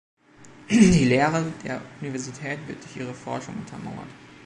Die Lehre der Universität wird durch ihre Forschung untermauert.